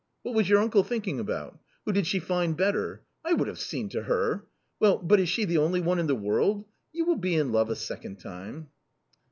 What was your uncle thinking about ? Who did she find better ? I would have seen to her ! Well, but is she the only one in the world ? you will be in love a second time."